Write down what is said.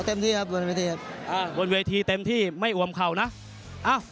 เต็มที่ครับบนเวทีครับอ่าบนเวทีเต็มที่ไม่อวมเขานะอ่า